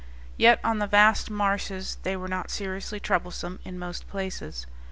Yet on the vast marshes they were not seriously troublesome in most places.